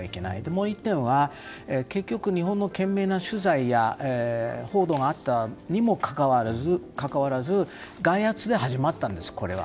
もう１点は結局日本の懸命な取材や報道があったにもかかわらず外圧で始まったんです、これは。